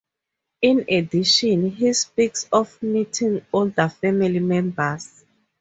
In addition, he speaks of meeting older family members.